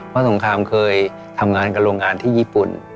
สงครามเคยทำงานกับโรงงานที่ญี่ปุ่น